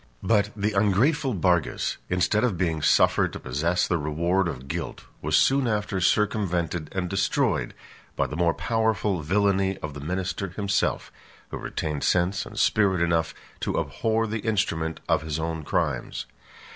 17 But the ungrateful Bargus, instead of being suffered to possess the reward of guilt was soon after circumvented and destroyed, by the more powerful villany of the minister himself, who retained sense and spirit enough to abhor the instrument of his own crimes.